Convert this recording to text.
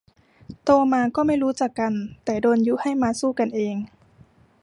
โตมาก็ไม่รู้จักกัน แต่โดนยุให้มาสู้กันเอง